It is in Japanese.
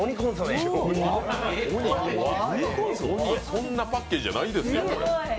そんなパッケージじゃないですよ。